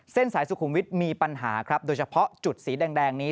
สายสุขุมวิทย์มีปัญหาครับโดยเฉพาะจุดสีแดงนี้